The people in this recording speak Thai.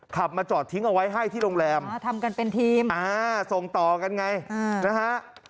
ขับมาจอดทิ้งเอาไว้ให้ที่โรงแรมทำกันเป็นทีมอ่าส่งต่อกันไงนะฮะ